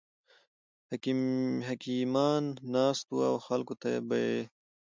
حکیمان ناست وو او خلکو ته به یې